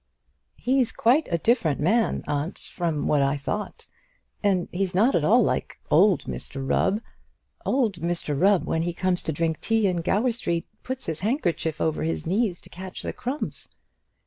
"He's quite a different man, aunt, from what I thought; and he's not at all like old Mr Rubb. Old Mr Rubb, when he comes to drink tea in Gower Street, puts his handkerchief over his knees to catch the crumbs."